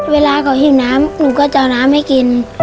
เวลาเขาหิวน้ำหนูก็จะเอาน้ำให้กิน